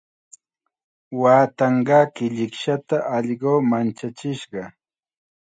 Waatanqaa killikshata allqu manchachishqa.